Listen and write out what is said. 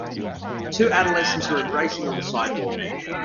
Two adolescents are embracing on the sidewalk